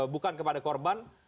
bukan kepada korban